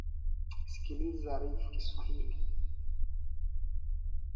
sikiliza rfi kiswahili